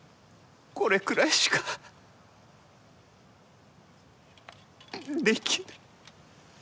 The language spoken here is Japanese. これくらいしかできぬ。